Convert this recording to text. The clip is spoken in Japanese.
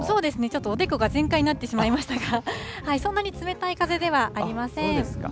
ちょっとおでこが全開になってしまいましたが、そんなに冷たい風ではありません。